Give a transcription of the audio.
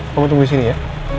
tunggu tunggu di sini ya